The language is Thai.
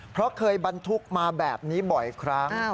เพราะเคยบรรทุกมาแบบนี้บ่อยครั้ง